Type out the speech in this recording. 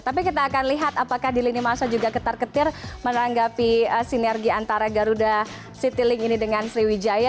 tapi kita akan lihat apakah di lini masa juga ketar ketir menanggapi sinergi antara garuda citylink ini dengan sriwijaya